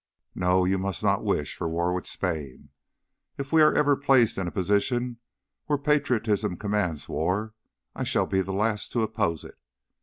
"No, you must not wish for war with Spain. If we ever are placed in a position where patriotism commands war, I shall be the last to oppose it.